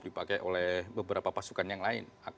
dipakai oleh beberapa pasukan yang lain ak satu ratus satu